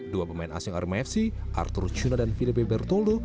dua pemain asing arema fc artur cuna dan filipe bertoldo